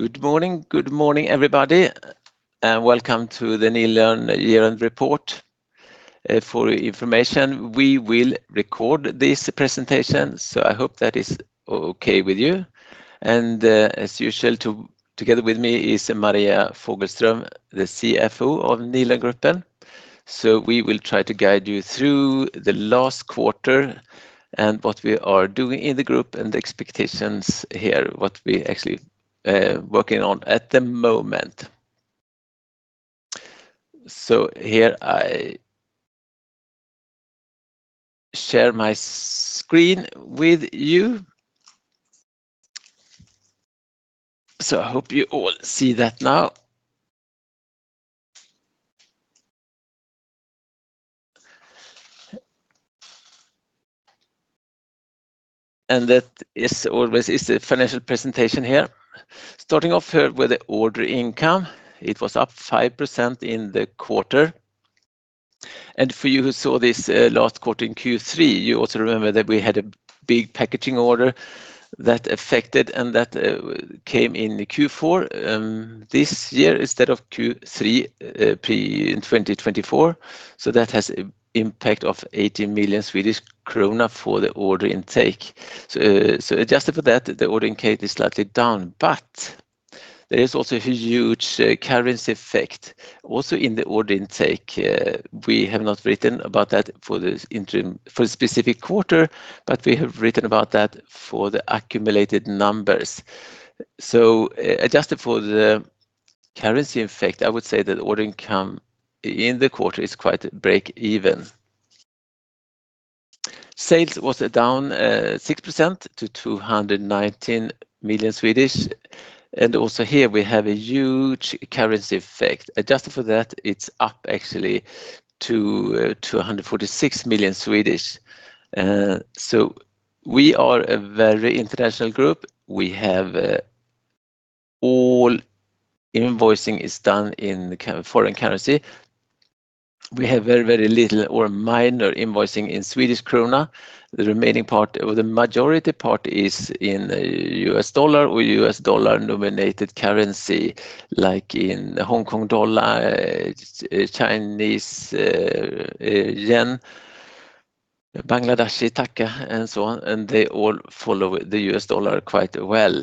Good morning. Good morning, everybody, and welcome to the Nilörn Year-End Report. For your information, we will record this presentation, so I hope that is okay with you. And, as usual, together with me is Maria Fogelström, the CFO of Nilörngruppen. So we will try to guide you through the last quarter and what we are doing in the group and the expectations here, what we're actually working on at the moment. So here I share my screen with you. So I hope you all see that now. And that always is the financial presentation here. Starting off here with the order income, it was up 5% in the quarter. For you who saw this, last quarter in Q3, you also remember that we had a big packaging order that affected and that, came in Q4, this year, instead of Q3, [PE] in 2024. So that has impact of 80 million Swedish krona for the order intake. So, so adjusted for that, the order intake is slightly down, but there is also a huge currency effect also in the order intake. We have not written about that for this interim, for the specific quarter, but we have written about that for the accumulated numbers. So adjusted for the currency effect, I would say that order income in the quarter is quite break even. Sales was down, 6% to 219 million Swedish, and also here we have a huge currency effect. Adjusted for that, it's up actually to 246 million. So we are a very international group. We have all invoicing is done in the foreign currency. We have very, very little or minor invoicing in Swedish krona. The remaining part or the majority part is in US dollar or US dollar-nominated currency, like in Hong Kong dollar, Chinese yuan, Bangladeshi taka, and so on, and they all follow the US dollar quite well.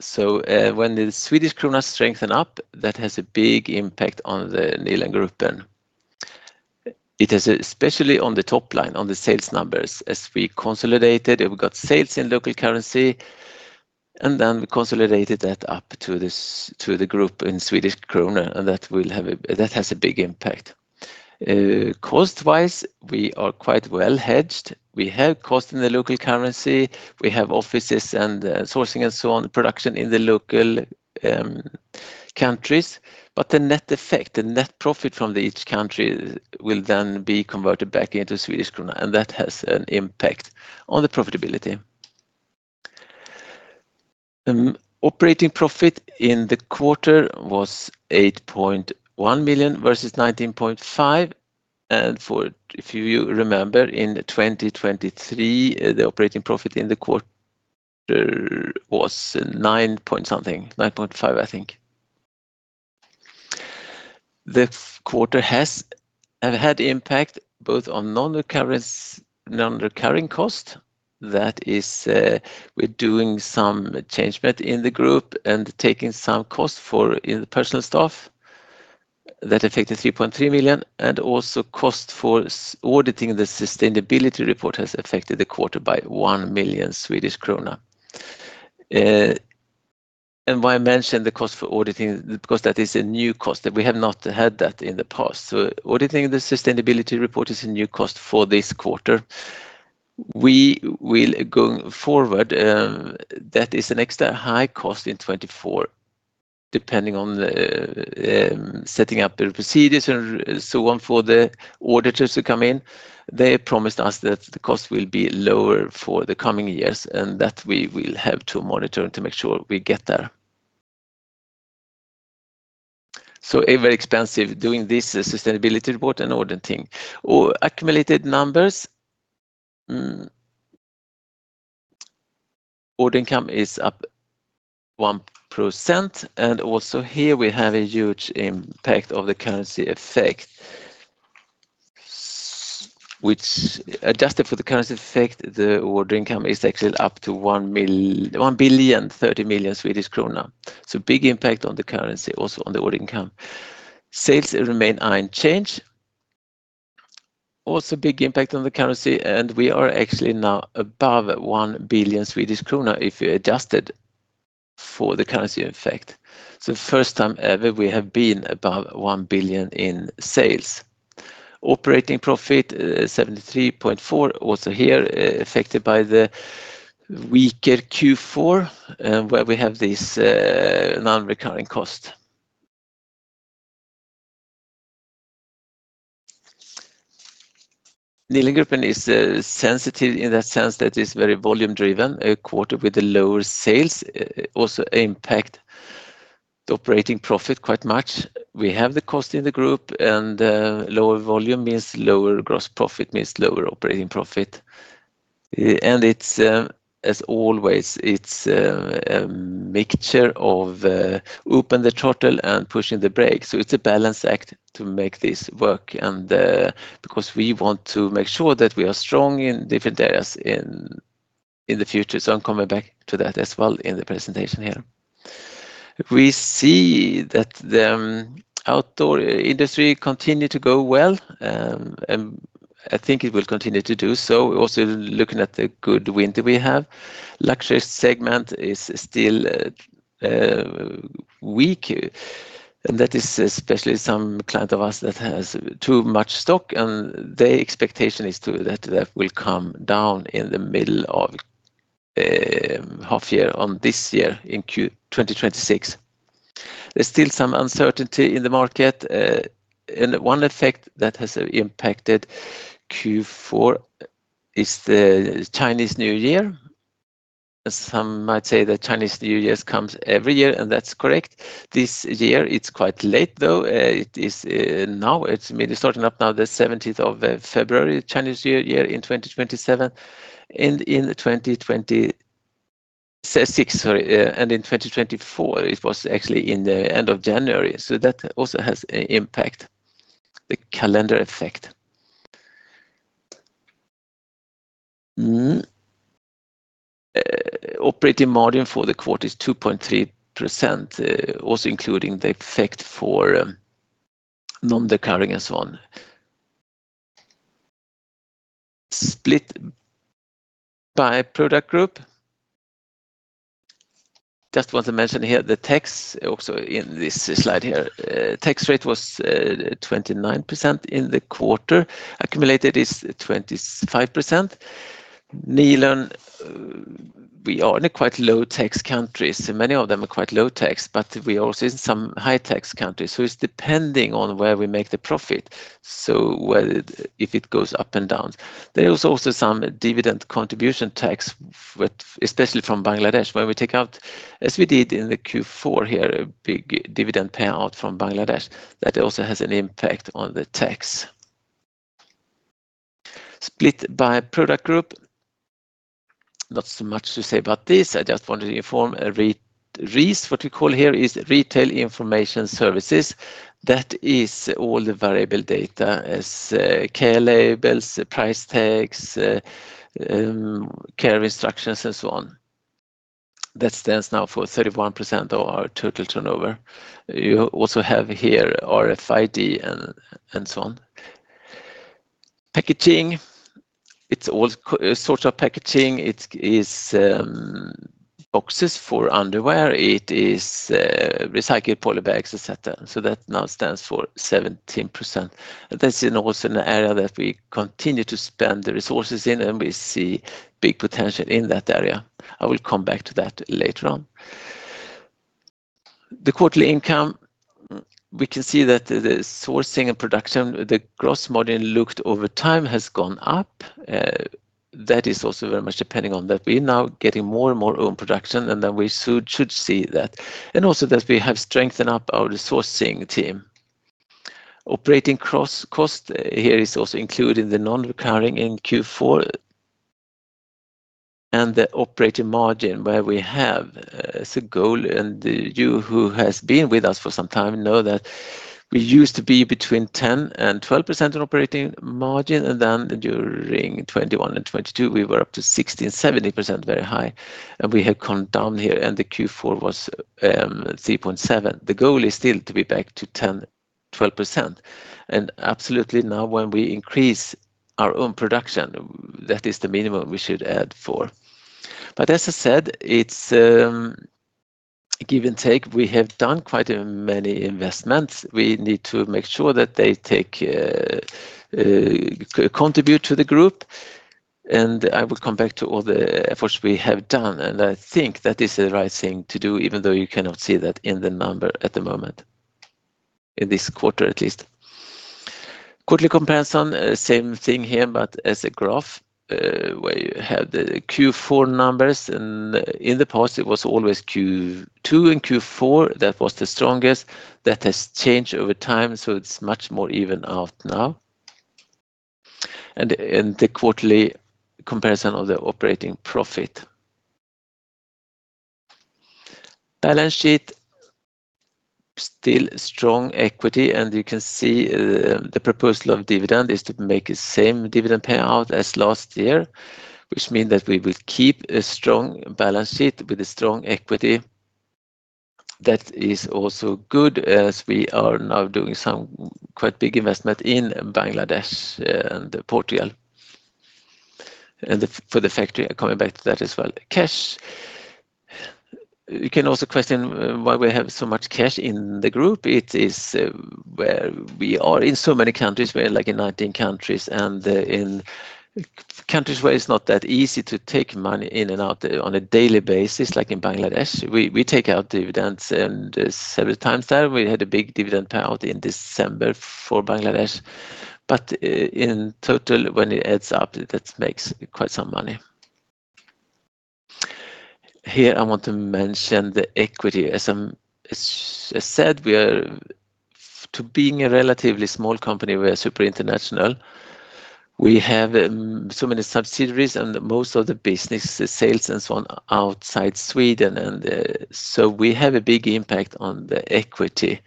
So when the Swedish krona strengthen up, that has a big impact on the Nilörngruppen. It is especially on the top line, on the sales numbers. As we consolidated, we got sales in local currency, and then we consolidated that up to this, to the group in Swedish krona, and that will have a big impact. That has a big impact. Cost-wise, we are quite well hedged. We have cost in the local currency, we have offices and, sourcing and so on, production in the local, countries, but the net effect, the net profit from each country will then be converted back into Swedish krona, and that has an impact on the profitability. Operating profit in the quarter was 8.1 million versus 19.5 million, and for, if you remember, in 2023, the operating profit in the quarter was 9.something, 9.5, I think. The quarter has had impact both on non-recurring cost. That is, we're doing some change bit in the group and taking some cost for in personnel staff. That affected 3.3 million, and also cost for auditing the sustainability report has affected the quarter by 1 million Swedish krona. And why I mentioned the cost for auditing, because that is a new cost, that we have not had that in the past. So auditing the sustainability report is a new cost for this quarter. We will, going forward, that is an extra high cost in 2024, depending on the setting up the procedures and so on for the auditors to come in. They promised us that the cost will be lower for the coming years, and that we will have to monitor to make sure we get there. So a very expensive doing this sustainability report and auditing. Or accumulated numbers, order income is up 1%, and also here we have a huge impact of the currency effect, which, adjusted for the currency effect, the order income is actually up to one billion thirty million SEK. So big impact on the currency, also on the order income. Sales remain unchanged. Also, big impact on the currency, and we are actually now above 1 billion Swedish kronor if you adjusted for the currency effect. So first time ever, we have been above 1 billion in sales. Operating profit, 73.4 million, also here, affected by the weaker Q4, where we have this non-recurring cost. Nilörngruppen is sensitive in that sense that it's very volume-driven, a quarter with the lower sales also impact the operating profit quite much. We have the cost in the group, and lower volume means lower gross profit, means lower operating profit. And it's, as always, it's mixture of open the throttle and pushing the brake. So it's a balance act to make this work, and, because we want to make sure that we are strong in different areas in the future. So I'm coming back to that as well in the presentation here. We see that the outdoor industry continue to go well, and I think it will continue to do so. Also, looking at the good winter we have, luxury segment is still weak, and that is especially some client of ours that has too much stock, and their expectation is that that will come down in the middle of half year on this year, in Q2. There's still some uncertainty in the market, and one effect that has impacted Q4 is the Chinese New Year. Some might say that Chinese New Year comes every year, and that's correct. This year, it's quite late, though. It is now, it's maybe starting up now, the seventeenth of February, Chinese New Year in 2027, and in 2026, sorry, and in 2024, it was actually in the end of January. So that also has an impact, the calendar effect. Operating margin for the quarter is 2.3%, also including the effect for non-recurring and so on. Split by product group. Just want to mention here, the tax also in this slide here, tax rate was 29% in the quarter. Accumulated is 25%. Nilörn, we are in a quite low-tax countries, so many of them are quite low tax, but we also in some high-tax countries, so it's depending on where we make the profit. So whether if it goes up and down. There is also some dividend contribution tax, with especially from Bangladesh, where we take out, as we did in the Q4 here, a big dividend payout from Bangladesh. That also has an impact on the tax. Split by product group. Not so much to say about this. I just wanted to inform, RIS, what we call here is Retail Information Services. That is all the variable data as, care labels, price tags, care instructions, and so on. That stands now for 31% of our total turnover. You also have here RFID and so on. Packaging, it's all sorts of packaging. It is, boxes for underwear, it is, recycled polybags, et cetera. So that now stands for 17%. That's in also an area that we continue to spend the resources in, and we see big potential in that area. I will come back to that later on. The quarterly income, we can see that the sourcing and production, the gross margin looked over time has gone up. That is also very much depending on that. We're now getting more and more own production, and then we soon should see that. And also that we have strengthened up our sourcing team. Operating cost here is also included in the non-recurring in Q4, and the operating margin, where we have as a goal, and you who has been with us for some time, know that we used to be between 10% and 12% on operating margin, and then during 2021 and 2022, we were up to 60% and 70%, very high, and we have come down here, and the Q4 was 3.7. The goal is still to be back to 10, 12%. Absolutely, now, when we increase our own production, that is the minimum we should add for. But as I said, it's give and take. We have done quite many investments. We need to make sure that they take contribute to the group, and I will come back to all the efforts we have done, and I think that is the right thing to do, even though you cannot see that in the number at the moment, in this quarter, at least. Quarterly comparison, same thing here, but as a graph, where you have the Q4 numbers, and in the past, it was always Q2 and Q4, that was the strongest. That has changed over time, so it's much more even out now. And the quarterly comparison of the operating profit. Balance sheet, still strong equity, and you can see, the proposal of dividend is to make the same dividend payout as last year, which mean that we will keep a strong balance sheet with a strong equity. That is also good, as we are now doing some quite big investment in Bangladesh, and Portugal, and for the factory, coming back to that as well. Cash. You can also question why we have so much cash in the group. It is, well, we are in so many countries, we're like in 19 countries, and, in countries where it's not that easy to take money in and out on a daily basis, like in Bangladesh. We, we take out dividends and several times there, we had a big dividend payout in December for Bangladesh. But in total, when it adds up, that makes quite some money. Here I want to mention the equity. As I said, we are to being a relatively small company, we are super international. We have so many subsidiaries and most of the business, the sales and so on, outside Sweden, and so we have a big impact on the equity.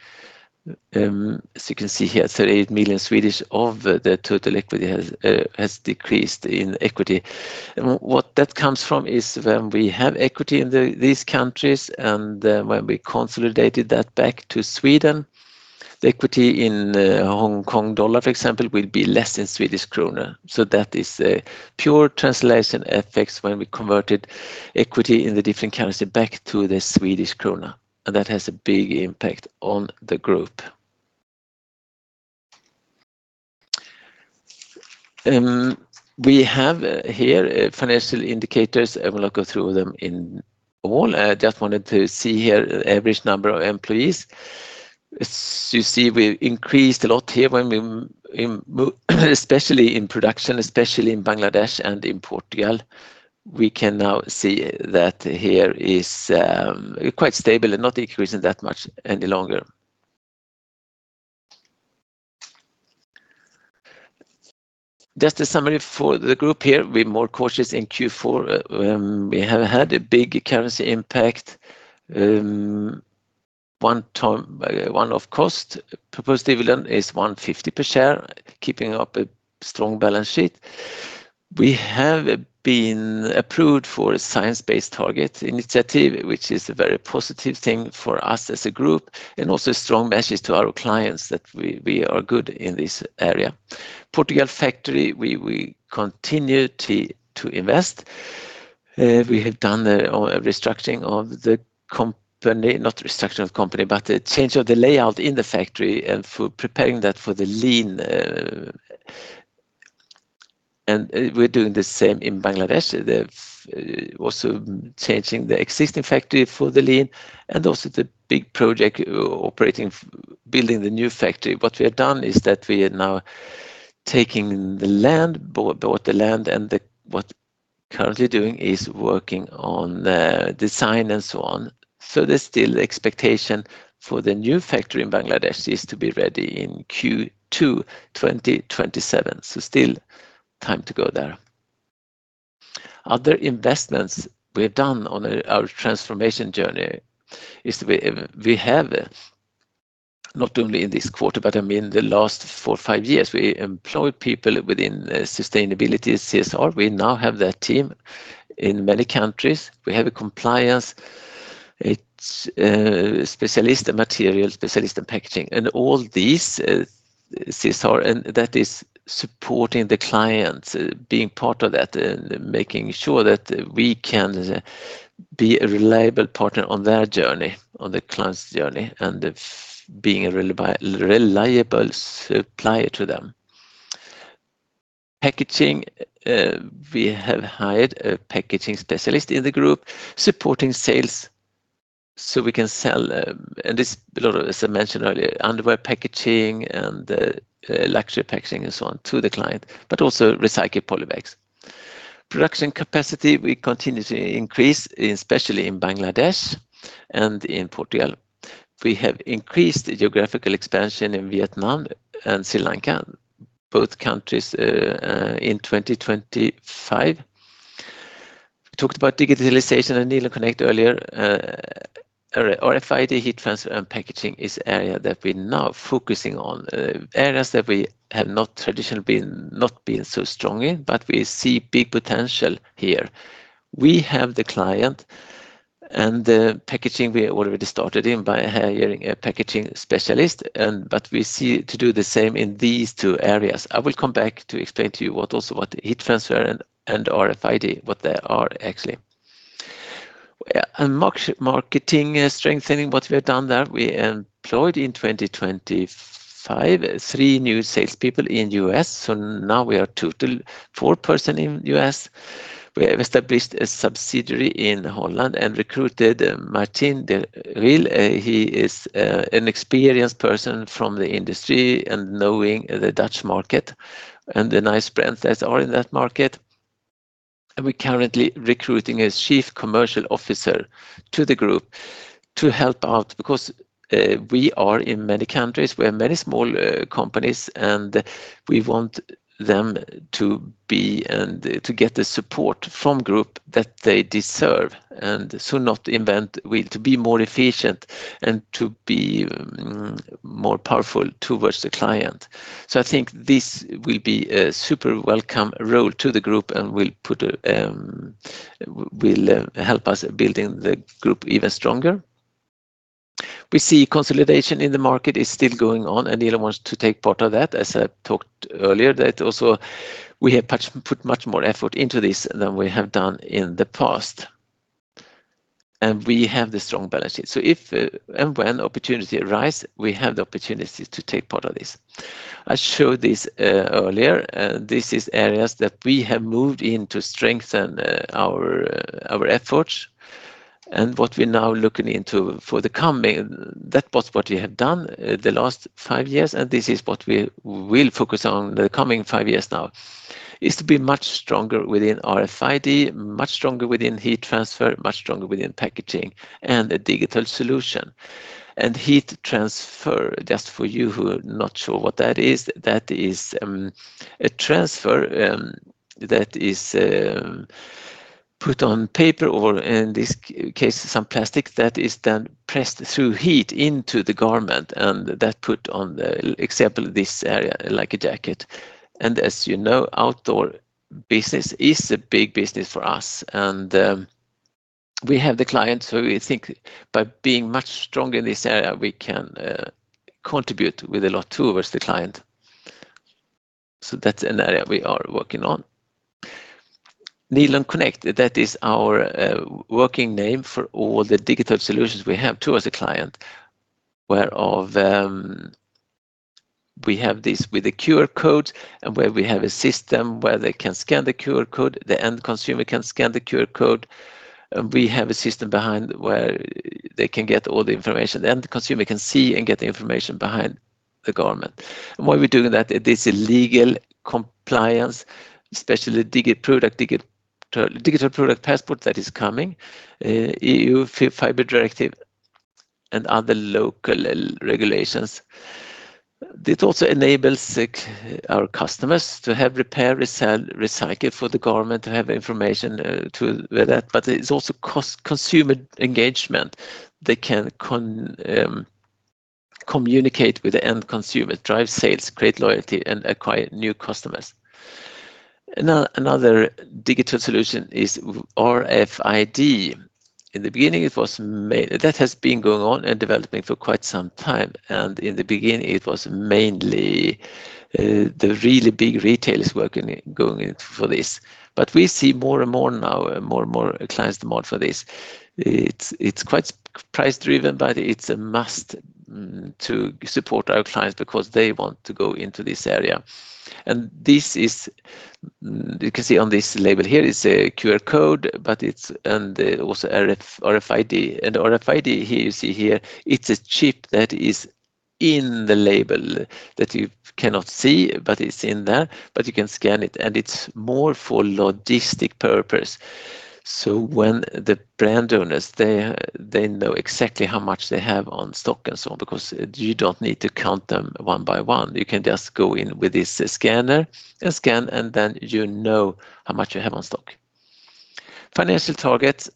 As you can see here, 38 million of the total equity has decreased in equity. And what that comes from is when we have equity in these countries and when we consolidated that back to Sweden, the equity in the Hong Kong dollar, for example, will be less in Swedish krona. So that is a pure translation effects when we converted equity in the different currency back to the Swedish krona, and that has a big impact on the group. We have here financial indicators, and we'll not go through them in all. I just wanted to see here average number of employees. As you see, we increased a lot here when we especially in production, especially in Bangladesh and in Portugal. We can now see that here is quite stable and not increasing that much any longer. Just a summary for the group here, we're more cautious in Q4, we have had a big currency impact, one time, one-off cost. Proposed dividend is 1.50 per share, keeping up a strong balance sheet. We have been approved for a Science Based Targets initiative, which is a very positive thing for us as a group and also a strong message to our clients that we are good in this area. Portugal factory, we continue to invest. We have done a restructuring of the company, not restructuring of the company, but a change of the layout in the factory and for preparing that for the Lean. We're doing the same in Bangladesh. They've also changing the existing factory for the Lean and also the big project, operating, building the new factory. What we have done is that we are now taking the land, bought the land, and what we're currently doing is working on the design and so on. So there's still expectation for the new factory in Bangladesh is to be ready in Q2 2027. So still time to go there. Other investments we've done on our transformation journey is we have, not only in this quarter, but, I mean, the last four, five years, we employed people within sustainability, CSR. We now have that team in many countries. We have a compliance specialist, a material specialist in packaging, and all these CSR, and that is supporting the clients, being part of that and making sure that we can be a reliable partner on their journey, on the client's journey, and being a reliable supplier to them. Packaging, we have hired a packaging specialist in the group, supporting sales, so we can sell, and this, a lot of, as I mentioned earlier, underwear packaging and luxury packaging and so on to the client, but also recycled polybags. Production capacity, we continue to increase, especially in Bangladesh and in Portugal. We have increased geographical expansion in Vietnam and Sri Lanka, both countries, in 2025. We talked about digitalization and Nilörn:CONNECT earlier, RFID, heat transfer, and packaging is area that we're now focusing on, areas that we have not traditionally been so strong in, but we see big potential here. We have the client and the packaging we already started in by hiring a packaging specialist, and but we see to do the same in these two areas. I will come back to explain to you what heat transfer and RFID what they are actually. And marketing strengthening, what we have done there, we employed in 2025 three new salespeople in U.S., so now we are total four person in U.S. We have established a subsidiary in Holland and recruited Martin de Waal. He is an experienced person from the industry and knowing the Dutch market and the nice brands that are in that market. And we're currently recruiting a chief commercial officer to the group to help out because we are in many countries, we are many small companies, and we want them to be and to get the support from group that they deserve, and so not invent wheel to be more efficient and to be more powerful towards the client. So I think this will be a super welcome role to the group and will help us building the group even stronger. We see consolidation in the market is still going on, and Nilörn wants to take part of that, as I talked earlier, that also we have much put much more effort into this than we have done in the past. We have the strong balance sheet. So if and when opportunity arise, we have the opportunity to take part of this. I showed this earlier, and this is areas that we have moved in to strengthen our efforts and what we're now looking into for the coming. That was what we have done the last five years, and this is what we will focus on the coming five years now... is to be much stronger within RFID, much stronger within heat transfer, much stronger within packaging and a digital solution. And heat transfer, just for you who are not sure what that is, that is a transfer that is put on paper or in this case, some plastic that is then pressed through heat into the garment, and that put on the example, this area like a jacket. And as you know, outdoor business is a big business for us, and we have the clients who we think by being much stronger in this area, we can contribute with a lot towards the client. So that's an area we are working on. Nilörn:CONNECT, that is our working name for all the digital solutions we have towards the client, where of we have this with the QR codes and where we have a system where they can scan the QR code, the end consumer can scan the QR code, and we have a system behind where they can get all the information. Then the consumer can see and get the information behind the garment. And why we're doing that, it is a legal compliance, especially Digital Product Passport that is coming, EU fiber directive and other local regulations. It also enables our customers to have repair, resell, recycle for the garment to have information, to with that, but it's also cost consumer engagement. They can communicate with the end consumer, drive sales, create loyalty, and acquire new customers. Another digital solution is RFID. In the beginning, it was that has been going on and developing for quite some time, and in the beginning it was mainly the really big retailers working, going in for this. But we see more and more now, more and more clients demand for this. It's quite price driven, but it's a must to support our clients because they want to go into this area. And this is, you can see on this label here, it's a QR code, but it's and also RFID. And RFID, here you see here, it's a chip that is in the label that you cannot see, but it's in there, but you can scan it, and it's more for logistic purpose. So when the brand owners, they know exactly how much they have on stock and so on, because you don't need to count them one by one. You can just go in with this scanner and scan, and then you know how much you have on stock. Financial targets,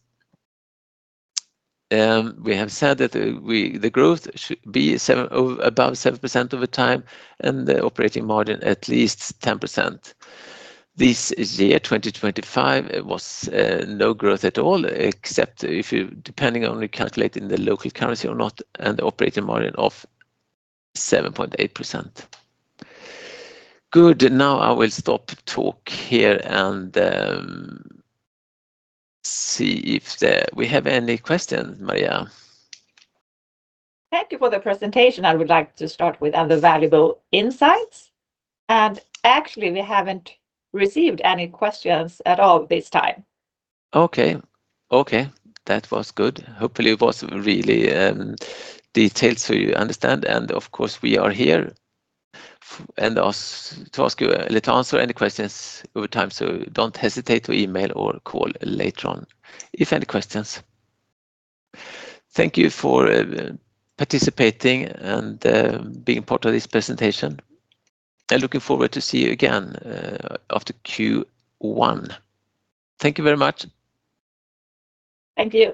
we have said that the growth should be above 7% over time, and the operating margin at least 10%. This year, 2025, it was no growth at all, except if you, depending on calculating the local currency or not, and the operating margin of 7.8%. Good. Now, I will stop talk here and see if we have any questions, Maria. Thank you for the presentation. I would like to start with other valuable insights, and actually, we haven't received any questions at all this time. Okay. Okay, that was good. Hopefully, it was really detailed so you understand, and of course, we are here and ask, to ask you, let's answer any questions over time, so don't hesitate to email or call later on if any questions. Thank you for participating and being part of this presentation. I looking forward to see you again after Q1. Thank you very much. Thank you.